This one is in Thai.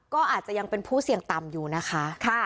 ก็อาจจะยังเป็นผู้เสี่ยงต่ำอยู่นะคะ